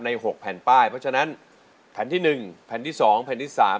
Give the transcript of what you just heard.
ในหกแผ่นป้ายเพราะฉะนั้นแผ่นที่หนึ่งแผ่นที่สองแผ่นที่สาม